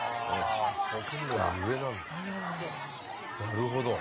なるほど。